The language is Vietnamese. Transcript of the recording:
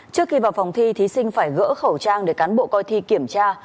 trước khi vào phòng thi thí sinh phải gỡ khẩu trang để cán bộ coi thi kiểm tra